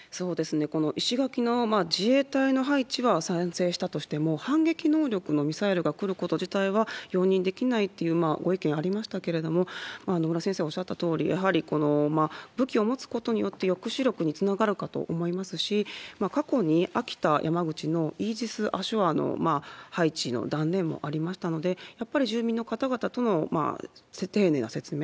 この石垣の自衛隊の配置は賛成したとしても、反撃能力のミサイルが来ること自体は容認できないっていうご意見ありましたけれども、野村先生おっしゃったとおり、やはり武器を持つことによって抑止力につながるかと思いますし、過去に、秋田、山口のイージス・アショアの配置の断念もありましたので、やっぱり住民の方々との丁寧な説明。